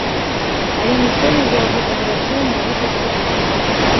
Але ніхто яе ў гэтым рашэнні не падтрымаў.